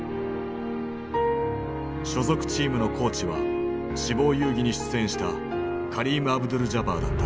所属チームのコーチは「死亡遊戯」に出演したカリーム・アブドゥル＝ジャバーだった。